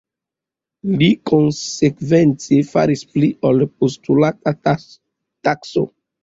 Li konsekvence faris pli ol la postulata takso.